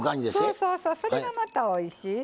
そうそうそれがまたおいしい。